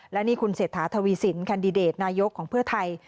และนี่คุณเศรษฐาทวีสินแคนดิเดตนายกของเพื่อไทย